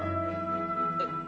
えっ。